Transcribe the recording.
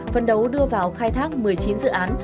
phân đấu đưa vào khai thác một mươi chín dự án